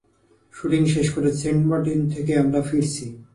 Shooting শেষ করে Saint Martin থেকে আমরা ফিরছি।